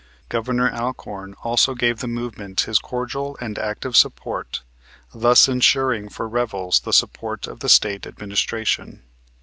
Governor Alcorn also gave the movement his cordial and active support, thus insuring for Revels the support of the State administration.